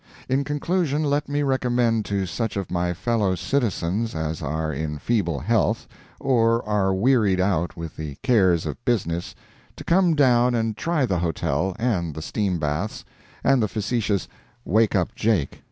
In conclusion, let me recommend to such of my fellow citizens as are in feeble health, or are wearied out with the cares of business, to come down and try the hotel, and the steam baths, and the facetious "wake up Jake."